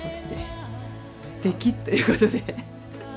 すてきということで。